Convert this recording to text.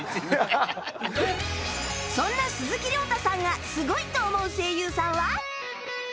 そんな鈴木崚汰さんがすごいと思う声優さんは？